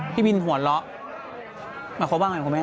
พี่บินหัวเราะหมายความว่าไงคุณแม่